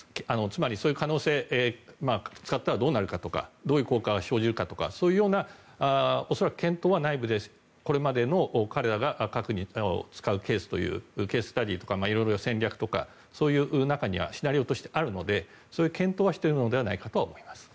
つまり、そういう可能性使ったらどうなるかとかどういう効果が生じるかとかそういう検討は内部でこれまでの彼らが核を使うケースというか色々戦略とか、そういう中にはシナリオとしてはあるのでそういう検討はしているのではないかと思います。